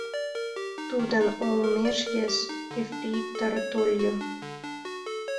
Тудын олмеш вес ефрейтор тольо.